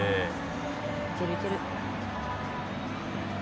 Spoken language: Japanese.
いける、いける。